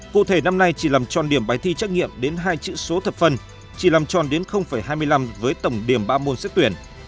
cụ thể năm nay chỉ làm tròn điểm bài thi trắc nghiệm đến hai chữ số thập phần chỉ làm tròn đến hai mươi năm với tổng điểm ba môn xét tuyển